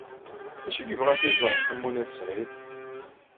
D acu ay yebɣa ad t-iẓer Ḥemmu n At Sɛid?